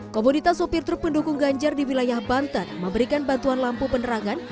komunitas sopir truk pendukung ganjar di wilayah banten memberikan bantuan lampu penerangan